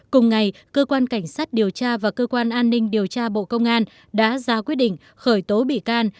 cùng ngày cơ quan cảnh sát điều tra và cơ quan an ninh điều tra bộ công an đã ra quyết định khởi tố bị can